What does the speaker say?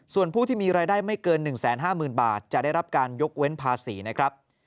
ส่วนผู้ที่มีรายได้ไม่เกิน๑๕๐๐๐บาทจะได้รับการยกเว้นภาษีนะครับ